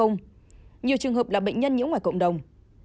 nhiều trường hợp là bệnh nhân nhiễm ngoài cộng đồng